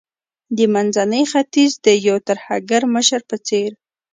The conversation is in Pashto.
د منځني ختیځ د یو ترهګر مشر په څیر